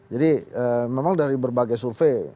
jadi memang dari berbagai survei